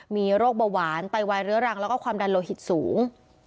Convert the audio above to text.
มีโรคเบาหวานไตวายเรื้อรังแล้วก็ความดันโลหิตสูง